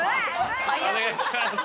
「お願いします！」